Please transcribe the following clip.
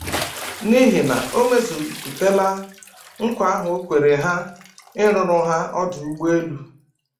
n'ihi na o mezuputela nkwà ahụ o kwere ha ịrụrụ ha ọdụ ụgbọelu.